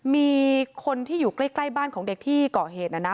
มีคนที่อยู่ใกล้บ้านของเด็กที่เกาะเหตุนะนะ